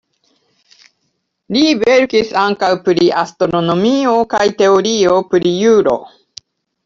Li verkis ankaŭ pri astronomio kaj teorio pri juro.